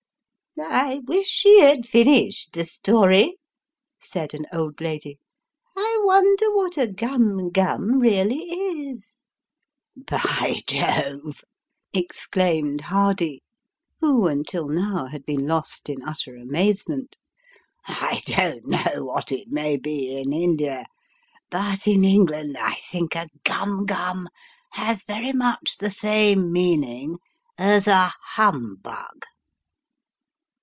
" I wish he had finished the story," said an old lady. " I wonder what a gum gum really is ?"" By Jove !" exclaimed Hardy, who nntil now had been lost in utter amazement, "I don't know what it may be in India, but in England I think a gum guru has very much the same meaning as a hum bug."